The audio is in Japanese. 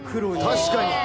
確かに。